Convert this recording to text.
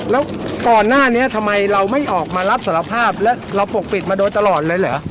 แล้วก่อนหน้านี้ทำไมเราไม่ออกมารับสารภาพแล้วเราปกปิดมาโดยตลอดเลยเหรอ